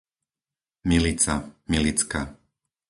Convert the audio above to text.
Milica, Milicka